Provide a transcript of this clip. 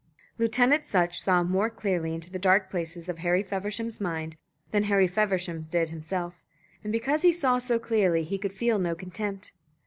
Lieutenant Sutch saw more clearly into the dark places of Harry Feversham's mind than Harry Feversham did himself; and because he saw so clearly, he could feel no contempt.